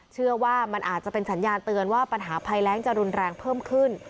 เชื่อว่ามันอาจจะเป็นสัญญาณเตือนว่าปัญหาภัยแรงจะรุนแรงเพิ่มขึ้น